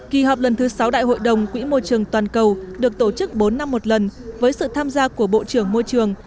kỳ họp lần thứ sáu đại hội đồng quỹ môi trường toàn cầu được tổ chức bốn năm một lần với sự tham gia của bộ trưởng môi trường